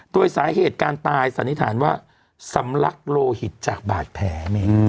โดยสาเหตุการตายสันนิษฐานว่าสำลักโลหิตจากบาดแผล